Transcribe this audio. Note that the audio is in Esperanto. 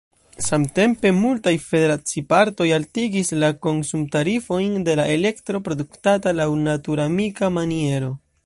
Samtempe multaj federacipartoj altigis la konsumtarifojn de la elektro produktata laŭ naturamika maniero.